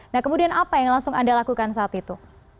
nah kemudian apa yang langsung anda lakukan saat itu